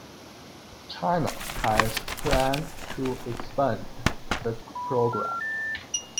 China has planned to expand the program.